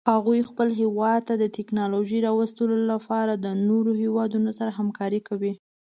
هغوی خپل هیواد ته د تکنالوژۍ راوستلو لپاره د نورو هیوادونو سره همکاري کوي